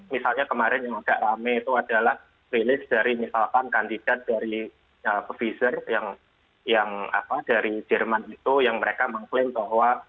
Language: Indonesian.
misalnya kemarin yang agak rame itu adalah rilis dari misalkan kandidat dari proviser yang dari jerman itu yang mereka mengklaim bahwa